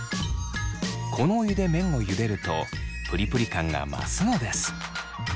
このお湯で麺をゆでるとプリプリ感が増すのです。